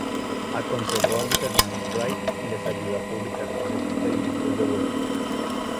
Aconsejó a los hermanos Wright y les ayudó a publicar sus experimentos de vuelo.